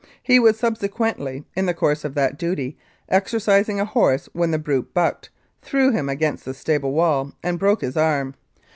He was sub sequently, in the course of that duty, exercising a horse when the brute bucked, threw him against the stable wall and broke his arm.